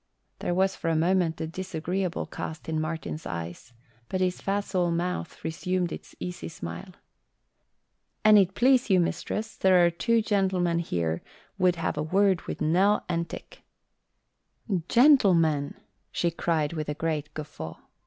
There was for a moment a disagreeable cast in Martin's eyes, but his facile mouth resumed its easy smile. "An it please you, mistress, there are two gentlemen here would have a word with Nell Entick." "Gentlemen!" she cried with a great guffaw.